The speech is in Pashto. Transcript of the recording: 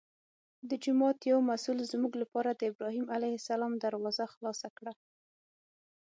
د جومات یو مسوول زموږ لپاره د ابراهیم علیه السلام دروازه خلاصه کړه.